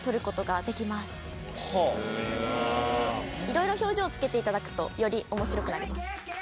いろいろ表情をつけていただくとより面白くなります